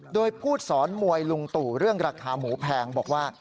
โดยพูดสอนมวยลุงตู่เรื่องราคาหมูแพงบอกว่า